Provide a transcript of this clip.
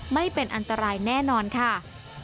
ไม่เป็นอันตรายแน่นอนค่ะ